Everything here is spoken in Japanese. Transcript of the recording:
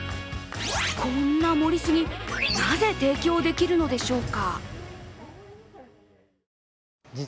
こんな盛り過ぎ、なぜ提供できるのでしょうか？